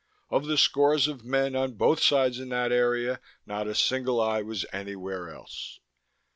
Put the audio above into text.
Of the scores of men on both sides in that area, not a single eye was anywhere else.